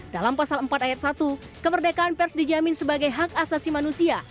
dalam pasal empat ayat satu kemerdekaan pers dijamin sebagai hak asasi manusia